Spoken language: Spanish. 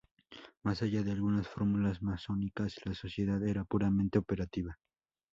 Más allá de algunas fórmulas masónicas, la sociedad era puramente operativa.